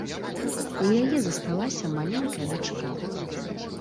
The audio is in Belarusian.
У яе засталася маленькая дачка.